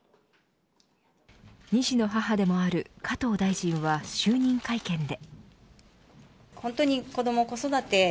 ２児の母でもある加藤大臣は就任会見で。